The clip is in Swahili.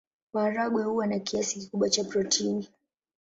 Maharagwe huwa na kiasi kikubwa cha protini.